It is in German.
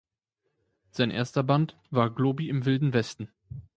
Sein erster Band war „Globi im Wilden Westen“.